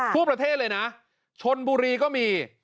ทั่วประเทศเลยนะชนบุรีก็มี